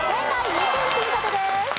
２点積み立てです。